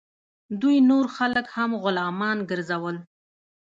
دوی نور خلک هم غلامان ګرځول.